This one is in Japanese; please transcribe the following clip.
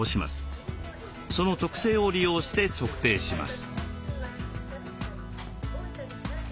その特性を利用して測定します。